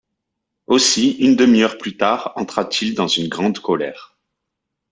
Aussi, une demi-heure plus tard, entra-t-il dans une grande colère.